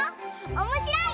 おもしろい！